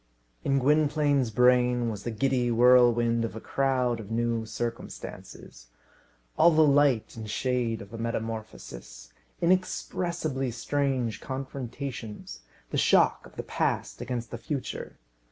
In Gwynplaine's brain was the giddy whirlwind of a crowd of new circumstances; all the light and shade of a metamorphosis; inexpressibly strange confrontations; the shock of the past against the future.